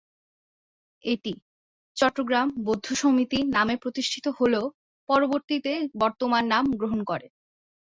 এটি ‘চট্টগ্রাম বৌদ্ধ সমিতি’ নামে প্রতিষ্ঠিত হলেও পরবর্তীতে বর্তমান নাম গ্রহণ করে।